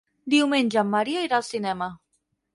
Diumenge en Maria irà al cinema.